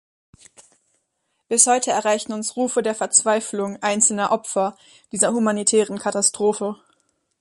Bis heute erreichen uns Rufe der Verzweiflung einzelner Opfer dieser humanitären Katastrophe.